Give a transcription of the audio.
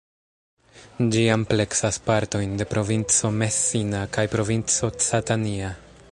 Ĝi ampleksas partojn de provinco Messina kaj provinco Catania.